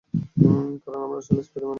কারণ, আমরা আসলেই স্পাইডার-ম্যানের বন্ধু।